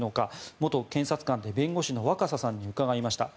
元検察官で弁護士の若狭さんに伺いました。